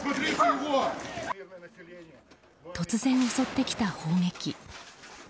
突然襲ってきた砲撃。